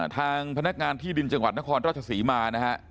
ทางพนักงานที่ดินจังหวัดนครต้อสศิมา